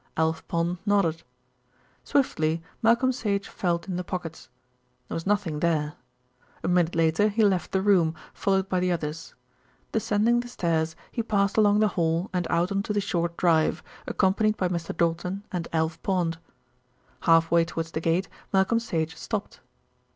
Alf Pond nodded. Swiftly Malcolm Sage felt in the pockets. There was nothing there. A minute later he left the room, followed by the others. Descending the stairs, he passed along the hall and out on to the short drive, accompanied by Mr. Doulton and Alf Pond. Half way towards the gate Malcolm Sage stopped.